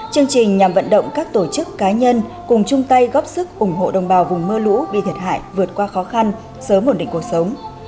chương trình nhằm vận động các tổ chức cá nhân cùng chung tay góp sức ủng hộ đồng bào vùng mưa lũ bị thiệt hại vượt qua khó khăn sớm ổn định cuộc sống